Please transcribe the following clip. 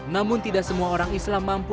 namun tidak semua orang islam mampu